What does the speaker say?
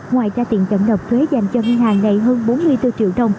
ngoài ra tiền chậm nộp thuế dành cho ngân hàng này hơn bốn mươi bốn triệu đồng